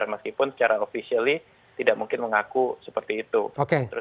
meskipun secara officially tidak mungkin mengaku seperti itu